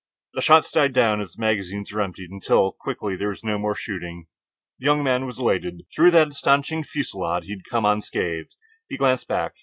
The shots died down as the magazines were emptied, until, quickly, there was no more shooting. The young man was elated. Through that astonishing fusillade he had come unscathed. He glanced back.